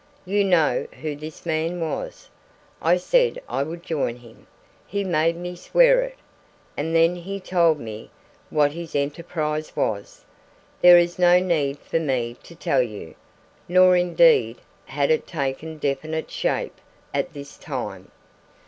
You know who this man was. I said I would join him. He made me swear it. And then he told me what his enterprise was: there is no need for me to tell you; nor indeed had it taken definite shape at this time.